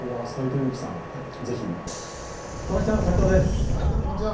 佐々木さん、斎藤です。